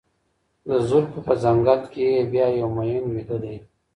د زلفو په ځـنــګل كـي يـې بـيــا يـو مـيـن ويــــده دى